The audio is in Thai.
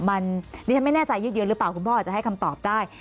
อันนี้ฉันไม่แน่ใจยืดเยอะหรือเปล่าคุณพ่ออาจจะให้คำตอบได้